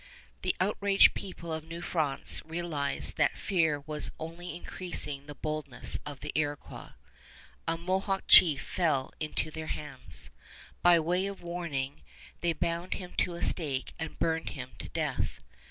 The outraged people of New France realized that fear was only increasing the boldness of the Iroquois. A Mohawk chief fell into their hands. By way of warning, they bound him to a stake and burned him to death.